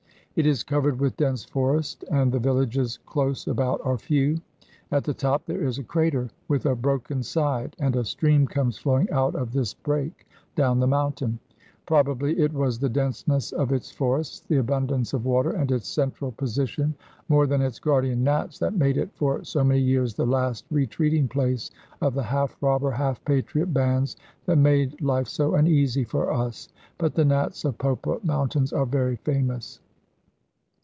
It is covered with dense forest, and the villages close about are few. At the top there is a crater with a broken side, and a stream comes flowing out of this break down the mountain. Probably it was the denseness of its forests, the abundance of water, and its central position, more than its guardian Nats, that made it for so many years the last retreating place of the half robber, half patriot bands that made life so uneasy for us. But the Nats of Popa Mountains are very famous.